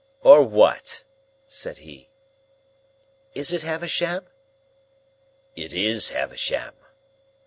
"Or what?" said he. "Is it Havisham?" "It is Havisham."